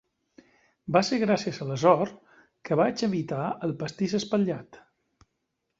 Va ser gràcies a la sort que vaig evitar el pastís espatllat?